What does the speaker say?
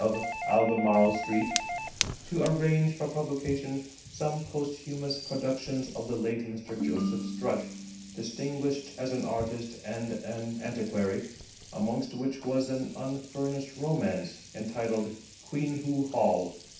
of Albemarle Street, to arrange for publication some posthumous productions of the late Mr. Joseph Strutt, distinguished as an artist and an antiquary, amongst which was an unfinished romance, entitled Queenhoo Hall.